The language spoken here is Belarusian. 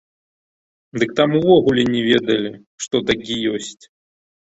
Дык там увогуле не ведалі, што такі ёсць.